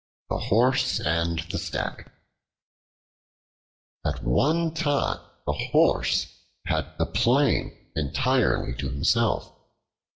The Horse and the Stag AT ONE TIME the Horse had the plain entirely to himself.